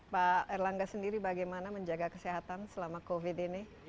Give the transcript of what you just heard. pak erlangga sendiri bagaimana menjaga kesehatan selama covid ini